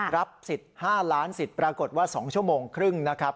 รับสิทธิ์๕ล้านสิทธิ์ปรากฏว่า๒ชั่วโมงครึ่งนะครับ